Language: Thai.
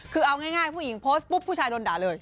คือเอาง่ายผู้หญิงโพสต์ปุ๊บผู้ชายโดนด่าเลย